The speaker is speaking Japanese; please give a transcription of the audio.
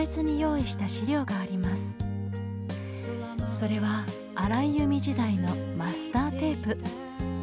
それは荒井由実時代のマスターテープ。